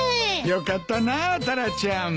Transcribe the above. よかったなあタラちゃん。